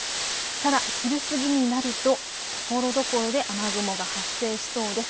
ただ昼過ぎになると、ところどころで雨雲が発生しそうです。